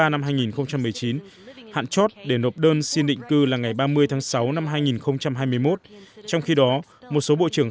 năm hai nghìn một mươi chín hạn chót để nộp đơn xin định cư là ngày ba mươi tháng sáu năm hai nghìn hai mươi một trong khi đó một số bộ trưởng